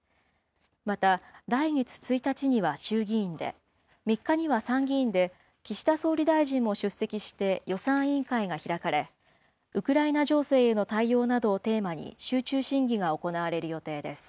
また来月１日には衆議院で、３日には参議院で、岸田総理大臣も出席して予算委員会が開かれ、ウクライナ情勢への対応などをテーマに集中審議が行われる予定です。